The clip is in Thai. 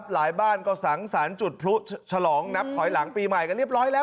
หลายบ้านก็สังสรรค์จุดพลุฉลองนับถอยหลังปีใหม่กันเรียบร้อยแล้ว